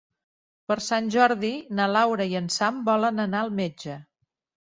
Per Sant Jordi na Laura i en Sam volen anar al metge.